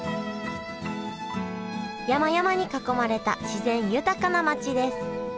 山々に囲まれた自然豊かな町です